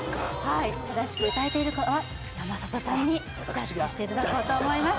正しく歌えているかは山里さんにジャッジしていただこうと思います